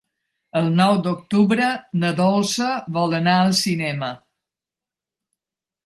El nou d'octubre na Dolça vol anar al cinema.